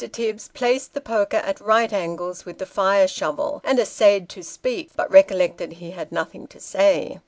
Tibbs placed the poker at right angles with the fire shovel, and essayed to speak, but recollected he had nothing to say.